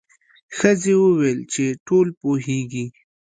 ښځې وویل چې ټول پوهیږي.